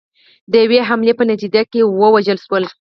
د یوې حملې په نتیجه کې ووژل شول